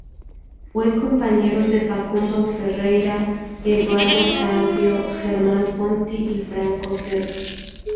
Fue compañero de Facundo Ferreyra, Eduardo Salvio, Germán Conti y Franco Cervi.